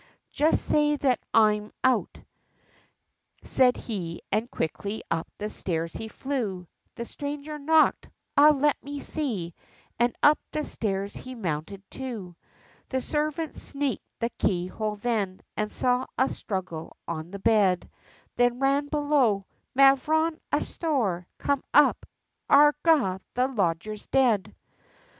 Just say that I am out," said he, and quickly up the stairs he flew, The stranger knocked. "Ah, let me see," and up the stairs he mounted, too. The servant sneaked the key hole then, and saw a struggle on the bed, Then ran below "Mavrone, asthore, come up, agrah, the lodger's dead!"